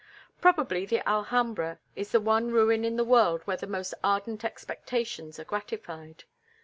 Probably the Alhambra is the one ruin in the world where the most ardent expectations are gratified.